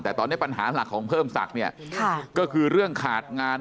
แต่ตอนนี้ปัญหาหลักของเพิ่มศักดิ์เนี่ยก็คือเรื่องขาดงาน